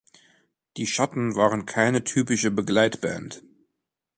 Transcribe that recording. Die Schatten waren keine typische Begleitband.